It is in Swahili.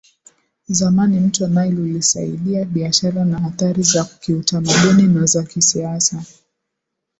zamani mto Nile ulisaidia biashara na athari za kiutamaduni na za kisiasa